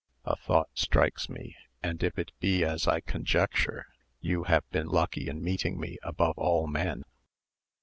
A thought strikes me; and if it be as I conjecture, you have been lucky in meeting me above all men.